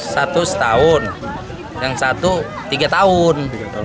satu setahun yang satu tiga tahun